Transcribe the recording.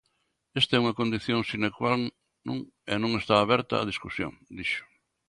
"Esta é unha condición sine qua non e non está aberta a discusión", dixo.